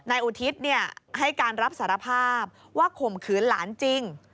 อุทิศให้การรับสารภาพว่าข่มขืนหลานจริง